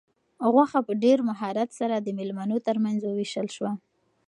غوښه په ډېر مهارت سره د مېلمنو تر منځ وویشل شوه.